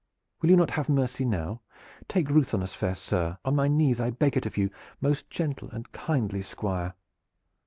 Will you not have mercy now? Take ruth on us, fair sir! On my knees I beg it of you, most gentle and kindly Squire!"